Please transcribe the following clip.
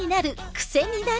クセになる！